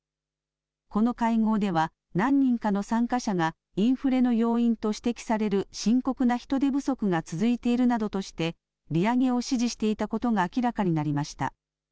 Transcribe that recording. この会合では何人かの参加者がインフレの要因と指摘される深刻な人手不足が続いているなどとして利上げを支持していたことが明らかになりました。